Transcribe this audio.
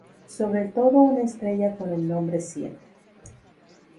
Sobre el todo una estrella con el nombre "sind".